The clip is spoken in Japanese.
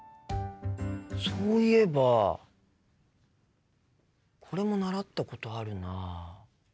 そういえばこれも習ったことあるな。